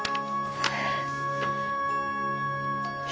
はい。